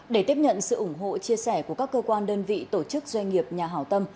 để tiếp nhận sự ủng hộ chia sẻ của các cơ quan đơn vị tổ chức doanh nghiệp nhà hảo tâm